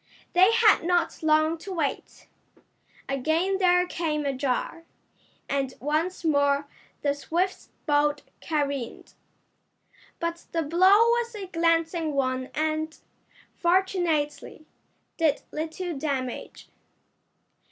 They had not long to wait. Again there came a jar, and once more the Swifts' boat careened. But the blow was a glancing one and, fortunately, did little damage.